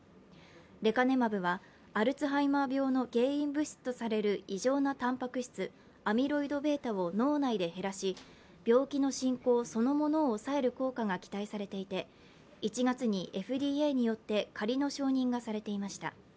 レカネマブはアルツハイマー病の原因物質とされる異常なたんぱく質アミロイドβを脳内で減らし病気の進行そのものを抑える効果が期待されていて、１月にＦＤＡによって仮の承認がされていました。